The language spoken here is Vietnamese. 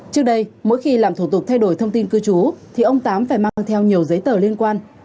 trước đây mỗi khi làm thủ tục thay đổi thông tin cư trú thì ông tám phải mang theo nhiều giấy tờ liên quan